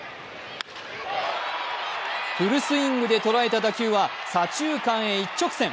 フルスイングで捉えた打球は左中間へ一直線。